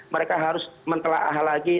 mereka harus mentela'ah lagi